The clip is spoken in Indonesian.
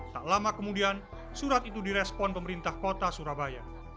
tak lama kemudian surat itu direspon pemerintah kota surabaya